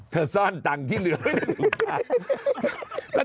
เธอซ่อนตังค์ที่เหลือไว้ในถุงเท้า